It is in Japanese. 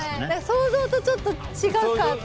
想像とちょっと違かった。